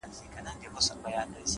علم د انسان هویت بشپړوي.!